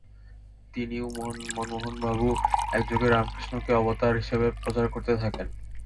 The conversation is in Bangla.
তিনি ও মনোমোহনবাবু একযোগে রামকৃষ্ণকে অবতার হিসাবে প্রচার করতে থাকেন।